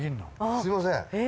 すみません